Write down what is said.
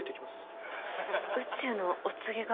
宇宙のお告げが？